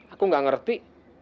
aku gak ngerti